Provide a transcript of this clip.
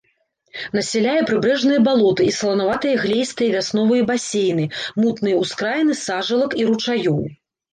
Насяляе прыбярэжныя балоты і саланаватыя глеістыя вясновыя басейны, мутныя ўскраіны сажалак і ручаёў.